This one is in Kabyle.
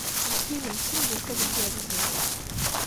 Nekk yid-m d timeddukal igerrzen.